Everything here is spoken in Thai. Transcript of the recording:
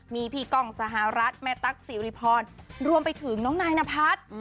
มีพี่ก้องสหรัฐแม่ตั๊กสิริพรรวมไปถึงน้องนายนพัฒน์